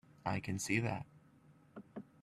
I can see that.